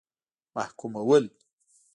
محکومول.